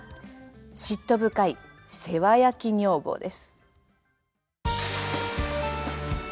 嫉妬深い世話焼き女房です。